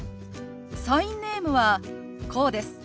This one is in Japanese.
サインネームはこうです。